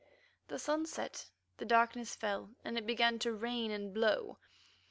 The sun set, the darkness fell, and it began to rain and blow.